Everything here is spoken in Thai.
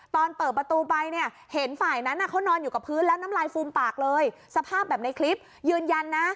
ตอนเปิดประตูไปเนี่ยเห็นฝ่ายนั้นเขานอนอยู่กับพื้นแล้วน้ำลายฟูมปากเลยสภาพแบบในคลิปยืนยันนะ